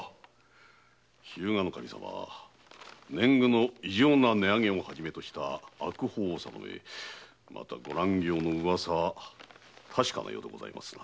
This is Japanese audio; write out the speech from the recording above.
日向守様は年貢の異常な値上げを始めとした悪法を定めまたご乱行の噂確かなようでございますな。